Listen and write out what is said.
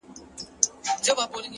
اخلاق د شهرت تر نوم مخکې ځلېږي.